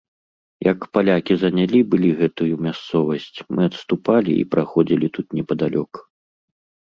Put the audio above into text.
Як палякі занялі былі гэтую мясцовасць, мы адступалі і праходзілі тут непадалёк.